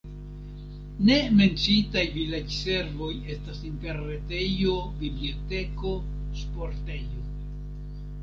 Ne menciitaj vilaĝservoj estas interretejo, biblioteko, sportejo.